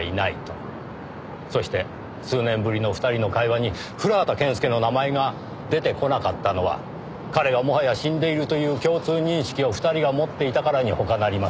そして数年ぶりの２人の会話に古畑健介の名前が出てこなかったのは彼がもはや死んでいるという共通認識を２人が持っていたからに他なりません。